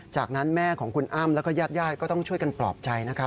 จากนั้นแม่ของคุณอ้ำแล้วก็ญาติก็ต้องช่วยกันปลอบใจนะครับ